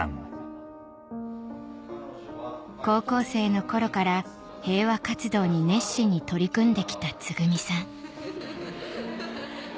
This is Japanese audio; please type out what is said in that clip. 高校生の頃から平和活動に熱心に取り組んできたつぐみさん